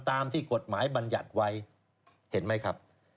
ตามที่กฎหมายบรรยัติไว้เห็นไหมครับ